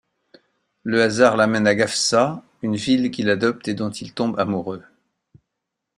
Le hasard l’amène à Gafsa, une ville qui l’adopte et dont il tombe amoureux.